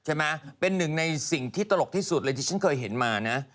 ใช่ไหมเป็นหนึ่งในสิ่งที่ตลกที่สุดเลยที่ฉันเคยเห็นมานะ